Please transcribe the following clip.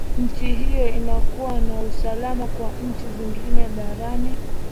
nchi hiyo inakuwa na usalama kwa nchi zingine barani